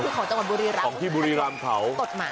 ของที่บุรีรัมพ์เขา